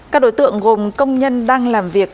các đối tượng gồm công nhân đang làm việc